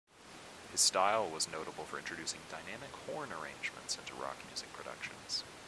His style was notable for introducing dynamic horn arrangements into rock music productions.